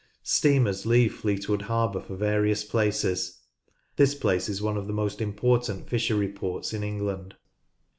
Steamers leave Fleetwood harbour for various places. This place is one of the most important fishery ports in England.